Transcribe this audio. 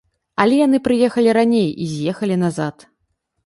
Але яны прыехалі раней і з'ехалі назад.